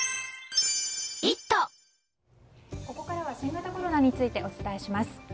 ここからは新型コロナについてお伝えします。